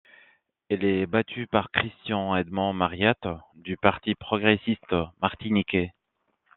Il est battu par Christian Edmond-Mariette du Parti progressiste martiniquais.